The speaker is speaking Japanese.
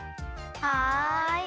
はい。